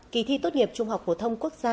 kỳ thi tốt nghiệp trung học phổ thông quốc gia